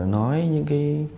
nói những cái